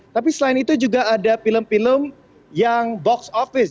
tapi selain itu juga ada film film yang box office